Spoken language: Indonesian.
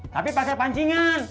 tapi pake pancingan